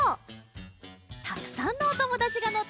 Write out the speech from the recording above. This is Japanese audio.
たくさんのおともだちがのってるよ！